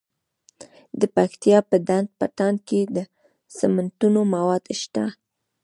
د پکتیا په ډنډ پټان کې د سمنټو مواد شته.